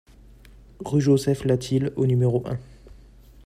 Rue Joseph Latil au numéro un